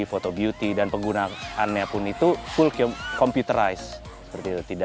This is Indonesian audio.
foto beauty dan penggunaannya pun itu full computerized